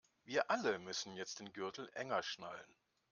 Wir alle müssen jetzt den Gürtel enger schnallen.